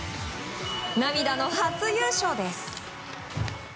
涙の初優勝です。